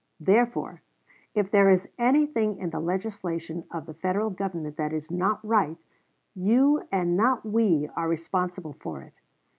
Therefore, if there is anything in the legislation of the Federal Government that is not right, you and not we are responsible for it....